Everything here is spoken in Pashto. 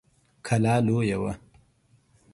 کلا لويه وه.